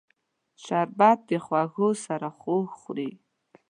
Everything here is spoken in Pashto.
شربت د خوږو سره خوږ خوري